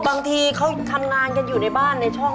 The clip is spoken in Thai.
บางทีเขาทำงานกันอยู่ในบ้านในช่อง